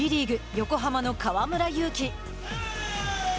横浜の河村勇輝。